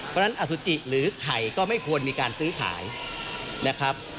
เพราะฉะนั้นอสุจิหรือไข่ก็ไม่ควรมีการซื้อขายนะครับ